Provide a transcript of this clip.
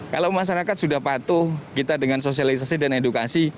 kalau masyarakat sudah patuh kita dengan sosialisasi dan edukasi